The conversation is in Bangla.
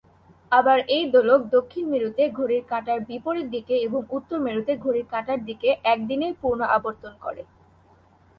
আবার এই দোলক দক্ষিণ মেরুতে ঘড়ির কাঁটার বিপরীত দিকে এবং উত্তর মেরুতে ঘড়ির কাঁটার দিকে এক দিনেই পূর্ণ আবর্তন করে।